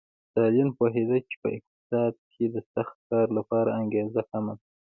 ستالین پوهېده چې په اقتصاد کې د سخت کار لپاره انګېزه کمه ده